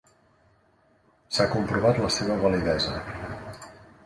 S'ha comprovat la seva validesa.